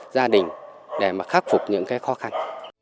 gia đình để mà khắc phục những cái khó khăn